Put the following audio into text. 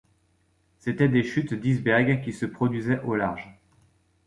C’étaient des chutes d’icebergs qui se produisaient au large.